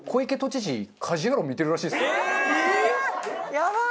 やばい！